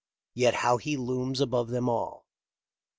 Yet how he looms above them all